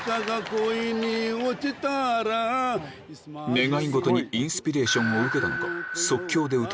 願い事にインスピレーションを受けたのか